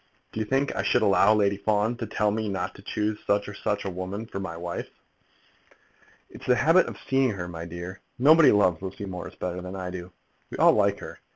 Do you think I should allow Lady Fawn to tell me not to choose such or such a woman for my wife?" "It's the habit of seeing her, my dear. Nobody loves Lucy Morris better than I do. We all like her.